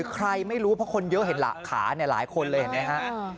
ใครไม่รู้เพราะคนเยอะเห็นหลักขาหลายคนเลยเห็นไหมครับ